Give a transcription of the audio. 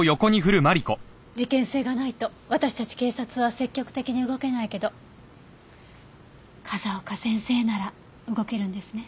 事件性がないと私たち警察は積極的に動けないけど風丘先生なら動けるんですね。